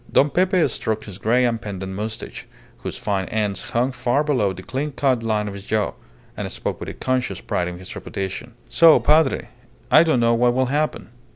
Don Pepe stroked his grey and pendant moustache, whose fine ends hung far below the clean cut line of his jaw, and spoke with a conscious pride in his reputation. "So, Padre, I don't know what will happen.